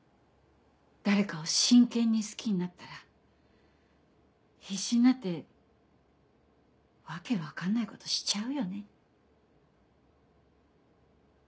誰かを真剣に好きになったら必死になって訳分かんないことしちゃうよね。